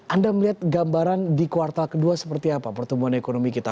anda melihat gambaran di kuartal kedua seperti apa pertumbuhan ekonomi kita